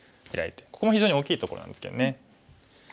ここも非常に大きいところなんですけどね。